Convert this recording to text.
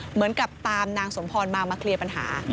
เหมือนกับตามนางสมพรมามาเคลียร์ปัญหา